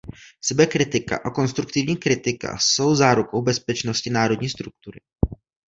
Sebekritika a konstruktivní kritika jsou zárukou bezpečnosti národní struktury.